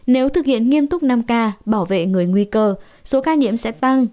nếu thực hiện nghiêm túc năm k bảo vệ người nguy cơ số ca nhiễm sẽ tăng